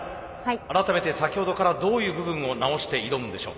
改めて先ほどからどういう部分を直して挑むんでしょう？